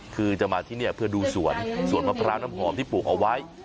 คือจะมาที่นี่เพื่อดูสวนสวนมะพร้าวน้ำหอมที่ปลูกเอาไว้